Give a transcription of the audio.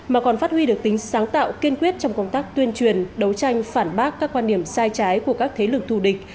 mà còn phát huy được tính sáng tạo kiên quyết trong công tác tuyên truyền đấu tranh phản bác các quan điểm sai trái của các thế lực thù địch